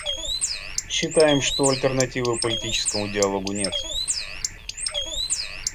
Считаем, что альтернативы политическому диалогу нет.